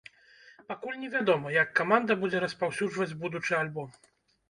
Пакуль невядома, як каманда будзе распаўсюджваць будучы альбом.